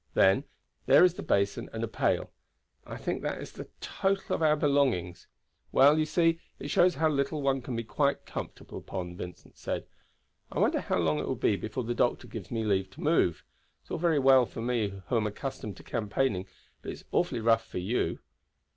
Then, there is the basin and a pail. I think that is the total of our belongings." "Well, you see, it shows how little one can be quite comfortable upon," Vincent said. "I wonder how long it will be before the doctor gives me leave to move. It is all very well for me who am accustomed to campaigning, but it is awfully rough for you."